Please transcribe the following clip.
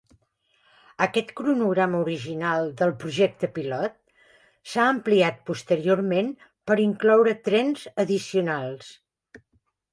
Aquest cronograma original del "projecte pilot" s'ha ampliat posteriorment per incloure trens addicionals.